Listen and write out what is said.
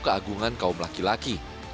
keagungan kaum laki laki